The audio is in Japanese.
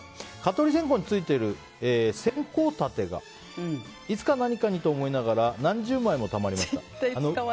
蚊取り線香についている線香立てがいつか何かにと思いながら何十枚もたまりました。